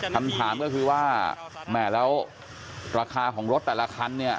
คำถามก็คือว่าราคาของรถแต่ละคัน